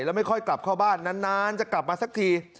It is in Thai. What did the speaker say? แล้วไม่ค่อยกลับเข้าบ้านนานจะกลับมาสักที